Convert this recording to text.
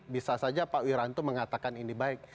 bisa saja pak wiranto mengatakan ini baik